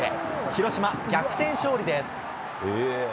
広島、逆転勝利です。